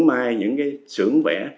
mai những cái xưởng vẽ